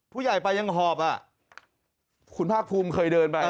ผู้ใหญ่ไปยังหอบอ่ะคุณภาคภูมิเคยเดินไป